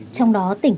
trong đó tỉnh